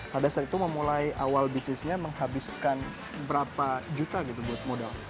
pada saat itu memulai awal bisnisnya menghabiskan berapa juta gitu buat modal